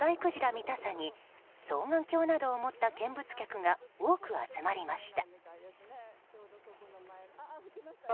見たさに双眼鏡などを持った見物客が多く集まりました。